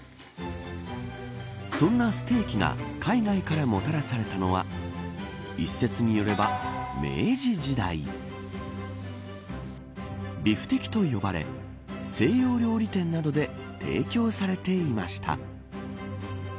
そんなステーキが海外からもたらされたのは一説によれば明治時代ビフテキと呼ばれ西洋料理店などで提供されていました。